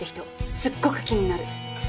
すっごく気になる。